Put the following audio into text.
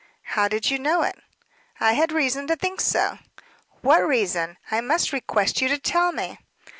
"How did you know it?" "I had reason to think so." "What reason? I must request you to tell me."